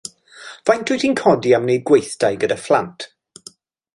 Faint wyt yn codi am wneud gweithdai gyda phlant?